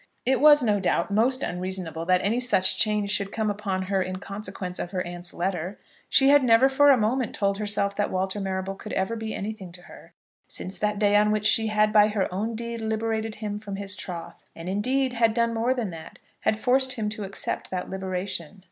It was no doubt most unreasonable that any such change should come upon her in consequence of her aunt's letter. She had never for a moment told herself that Walter Marrable could ever be anything to her, since that day on which she had by her own deed liberated him from his troth; and, indeed, had done more than that, had forced him to accept that liberation.